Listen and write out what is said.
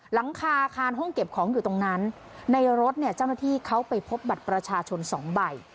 หลังคาอาคารห้องเก็บของอยู่ตรงนั้นในรถเนี่ยเจ้าหน้าที่เขาไปพบบัตรประชาชนสองใบ